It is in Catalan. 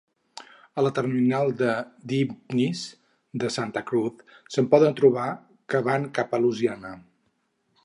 A la terminal de "dyipnis" de Santa Cruz, se'n poden trobar que van cap a Luisiana.